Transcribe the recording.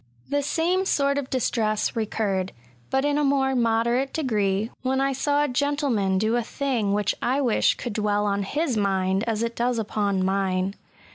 The same sort of distress recurred, but in a more moderate degree, when I saw a gentleman do a thing which I wish could dwell on bis mind as it does upon mine.